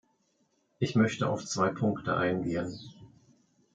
Ich möchte auf zwei Punkte eingehen.